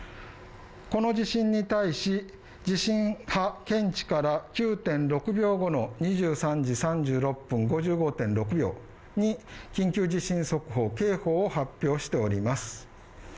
この地震に対し、地震波見地から９．６秒後の２３時３６分５５．６秒に緊急地震速報警報を発表しております。